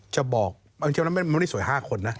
จะบอกมันไม่สวย๕คนนะ